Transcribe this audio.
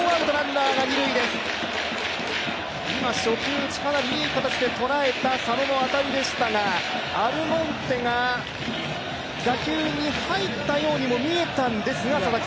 今、初球打ちかなりいい形で捉えた佐野の当たりでしたがアルモンテが打球に入ったようにも見えたんですが。